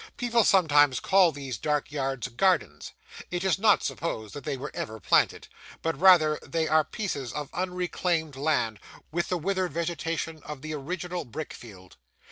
People sometimes call these dark yards 'gardens'; it is not supposed that they were ever planted, but rather that they are pieces of unreclaimed land, with the withered vegetation of the original brick field.